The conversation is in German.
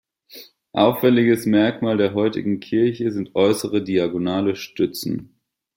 Auffälliges Merkmal der heutigen Kirche sind äußere diagonale Stützen.